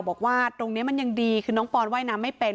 บอกว่าตรงนี้มันยังดีคือน้องปอนว่ายน้ำไม่เป็น